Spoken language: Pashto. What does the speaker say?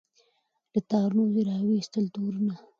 له تارونو دي را وایستل تورونه